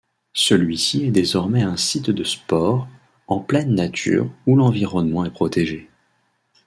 Celui-ci est désormais un site de sports en pleine nature où l'environnement est protégé.